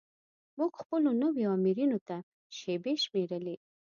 موږ خپلو نویو آمرینو ته شیبې شمیرلې.